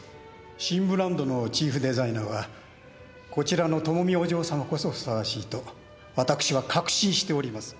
新ブランドのチーフデザイナーはこちらの友美お嬢様こそふさわしいと私は確信しております。